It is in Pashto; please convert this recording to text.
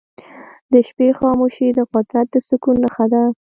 د شپې خاموشي د قدرت د سکون نښه ده.